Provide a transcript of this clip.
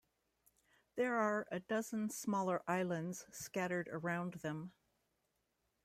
There are a dozen smaller islands scattered around them.